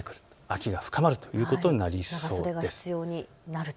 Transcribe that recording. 秋が深まるということになりそうです。